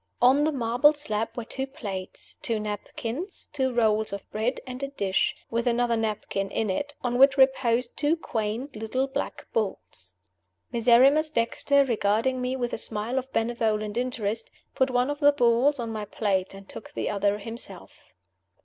On the marble slab were two plates, two napkins, two rolls of bread, and a dish, with another napkin in it, on which reposed two quaint little black balls. Miserrimus Dexter, regarding me with a smile of benevolent interest, put one of the balls on my plate, and took the other himself.